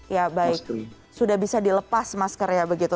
ya baik sudah bisa dilepas maskernya begitu